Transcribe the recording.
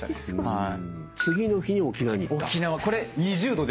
はい。